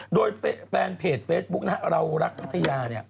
โดยแฟนเพจเฟซบุ๊กนะฮะเรารักพัทยา